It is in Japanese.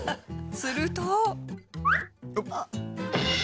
すると。